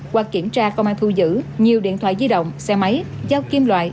qua kiểm tra công an thu giữ nhiều điện thoại di động xe máy dao kim loại